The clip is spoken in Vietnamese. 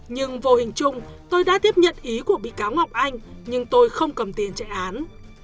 nhưng vô hình chung tôi đã tiếp nhận ý của bị cáo ngọc anh nhưng tôi không cầm tiền chạy án